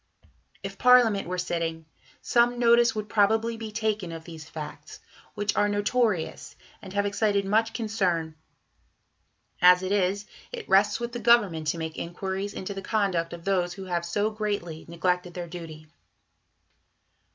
If Parliament were sitting, some notice would probably be taken of these facts, which are notorious and have excited much concern; as it is, it rests with the Government to make inquiries into the conduct of those who have so greatly neglected their duty.